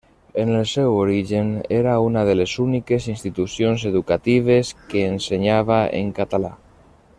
En el seu origen era una de les úniques institucions educatives que ensenyava en català.